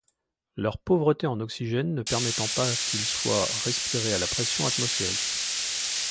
Leur pauvreté en oxygène ne permettant pas qu'ils soient respirés à la pression atmosphérique.